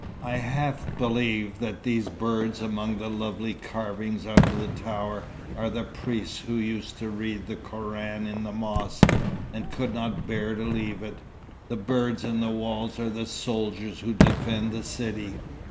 "I half believe that these birds among the lovely carvings of the tower are the priests who used to read the Koran in the mosque, and could not bear to leave it. The birds in the walls are the soldiers who defended the city."